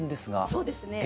そうですね。